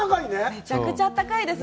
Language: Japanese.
めちゃくちゃあったかいです。